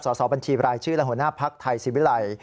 สอบบัญชีรายชื่อและหัวหน้าภักดิ์ไทยศิวิลัย